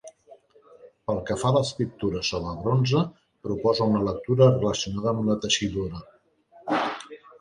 Pel que fa a l'escriptura sobre bronze, proposa una lectura relacionada amb la teixidura.